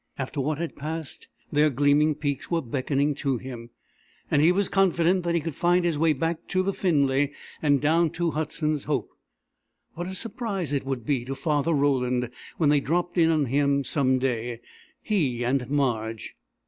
After what had passed, their gleaming peaks were beckoning to him, and he was confident that he could find his way back to the Finley and down to Hudson's Hope. What a surprise it would be to Father Roland when they dropped in on him some day, he and Marge!